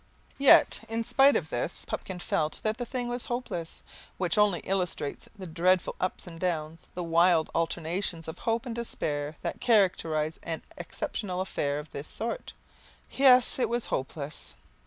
Yet in spite of this, Pupkin felt that the thing was hopeless: which only illustrates the dreadful ups and downs, the wild alternations of hope and despair that characterise an exceptional affair of this sort. Yes, it was hopeless.